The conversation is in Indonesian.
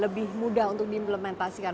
lebih mudah untuk diimplementasikan